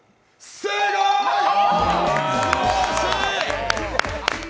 正解、すばらしい！